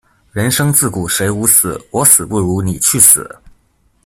人生自古誰無死，我死不如你去死